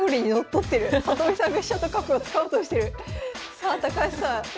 さあ高橋さん